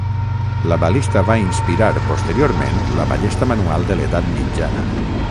La balista va inspirar posteriorment la ballesta manual de l'edat mitjana.